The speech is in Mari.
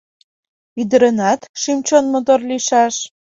— Ӱдырынат шӱм-чон мотор лийшаш.